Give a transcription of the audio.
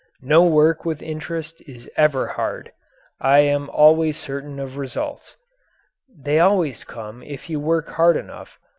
No work with interest is ever hard. I always am certain of results. They always come if you work hard enough.